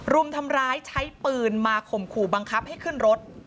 รุมทำร้ายใช้ปืนมาข่มขู่บังคับให้ขึ้นรถ